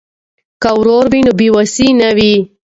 که ورور وي نو بې وسي نه وي.